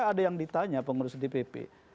ada yang ditanya pengurus dpp